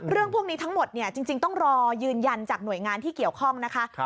เรื่องพวกนี้ทั้งหมดจริงต้องรอยืนยันจากหน่วยงานที่เกี่ยวข้องนะคะ